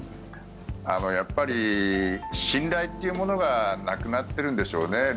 やっぱり信頼というものがなくなっているんでしょうね。